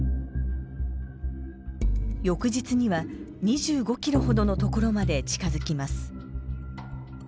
翌日には、２５ｋｍほどのところまで近づきます。